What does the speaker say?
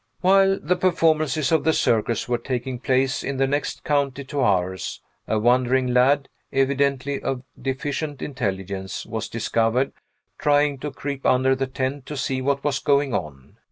While the performances of the circus were taking place in the next county to ours, a wandering lad, evidently of deficient intelligence, was discovered, trying to creep under the tent to see what was going on.